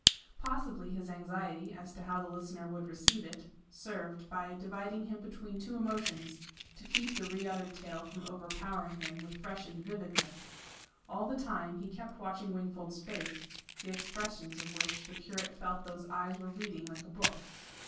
Possibly his anxiety as to how the listener would receive it, served, by dividing him between two emotions, to keep the reuttered tale from overpowering him with freshened vividness. All the time, he kept watching Wingfold's face, the expressions of which the curate felt those eyes were reading like a book.